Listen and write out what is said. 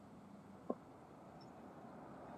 后由陈增稔接任。